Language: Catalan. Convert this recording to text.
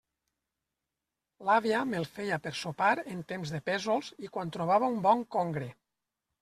L'àvia me'l feia per sopar en temps de pèsols i quan trobava un bon congre.